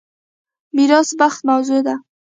میراث بخت موضوع ده.